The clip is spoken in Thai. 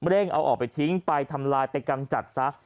เร่งเอาออกไปทิ้งไปทำลายไปกำจัดซะ